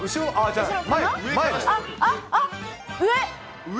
あっ、上。